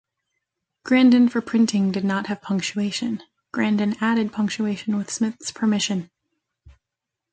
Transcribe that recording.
Grandin for printing did not have punctuation; Grandin added punctuation with Smith's permission.